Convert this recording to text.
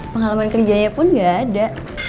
pengalaman kerjanya pun gak ada